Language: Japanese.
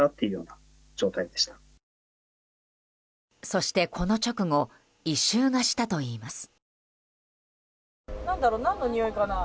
そして、この直後異臭がしたといいます。